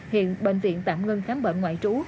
hiện bệnh viện tạm ngưng khám bệnh ngoại trú